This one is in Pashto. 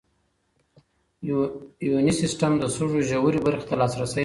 یوني سیسټم د سږو ژورې برخې ته لاسرسی برابروي.